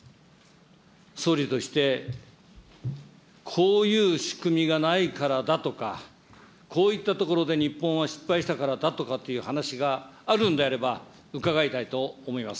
総理としてこういう仕組みがないからだとか、こういったところで日本は失敗したからだとかっていう話があるんであれば、伺いたいと思います。